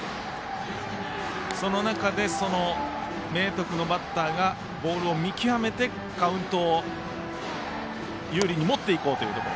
その中で明徳のバッターがボールを見極めてカウントを有利に持っていこうというところ。